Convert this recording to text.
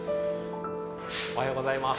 おはようございます。